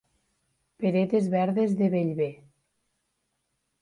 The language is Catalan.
Peretes verdes de Bellver.